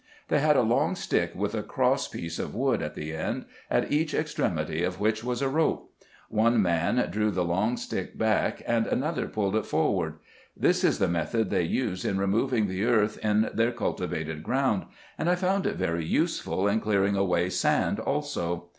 They had a long stick, with a cross piece of wood at the end, at each extremity of which was a rope. One man drew the long stick back, and another pulled it forward. This is the method they use in removing the earth in their cultivated ground, and I found it very useful in clearing away sand also.